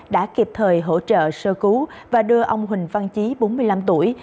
đã kịp thời hỗ trợ sơ cứu và đưa ông huỳnh văn chí bốn mươi năm tuổi